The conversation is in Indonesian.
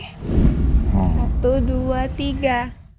satu dua tiga